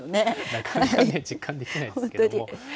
なかなかね、実感できないですけども。